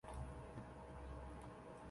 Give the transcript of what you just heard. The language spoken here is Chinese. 由于静脉给药可致严重现已少用。